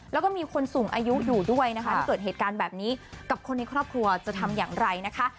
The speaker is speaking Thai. แล้วก็มีคนสูงอายุอยู่ด้วยนะคะที่เกิดเหตุการณ์แบบนี้กับคนในครอบครัวจะทำอย่างไรนะคะ